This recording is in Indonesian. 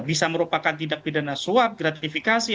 bisa merupakan tindak pidana suap gratifikasi